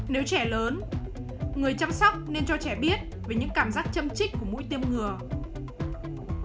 nếu trẻ lớn người chăm sóc nên cho trẻ biết về những cảm giác châm trích của mũi tiêm ngừa